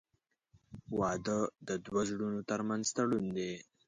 • واده د دوه زړونو تر منځ تړون دی.